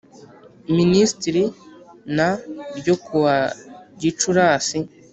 Minisitiri n ryo ku wa gicurasi